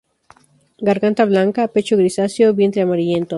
Garganta blanca, pecho grisáceo, vientre amarillento.